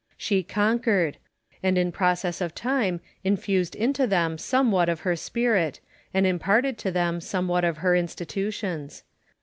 She conquered ; and in process of time infused into them somewhat of her spirit, and imparted to them somewhat of her institutions.